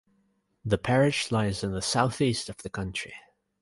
The parish lies in the south east of the county.